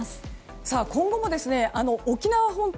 今後も沖縄本島